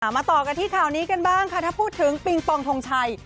มาต่อกันที่ข่าวนี้กันบ้างค่ะถ้าพูดถึงปิงปองทงชัย